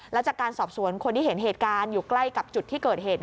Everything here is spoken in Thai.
แล้วจากการสอบสวนคนที่เห็นเหตุการณ์อยู่ใกล้กับจุดที่เกิดเหตุ